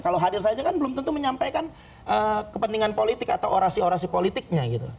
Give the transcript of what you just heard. kalau hadir saja kan belum tentu menyampaikan kepentingan politik atau orasi orasi politiknya gitu